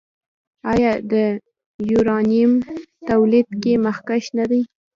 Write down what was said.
آیا د یورانیم تولید کې مخکښ نه دی؟